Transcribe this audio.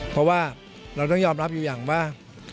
เพราะว่าเราต้องยอมรับอยู่อย่างว่า